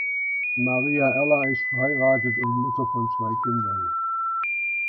Maria Erla ist verheiratet und Mutter von zwei Kindern.